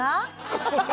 ハハハハ！